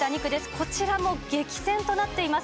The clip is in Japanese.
こちらも激戦となっています。